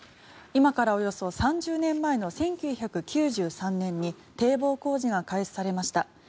今からおよそ３０年前の１９９３年に堤防工事が開始されました。